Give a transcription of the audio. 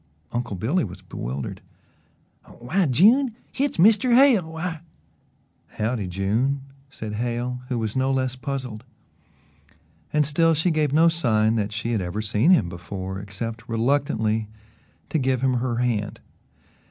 Uncle Billy was bewildered. "Why, June, hit's Mr. Hale why " "Howdye, June!" said Hale, who was no less puzzled and still she gave no sign that she had ever seen him before except reluctantly to give him her hand.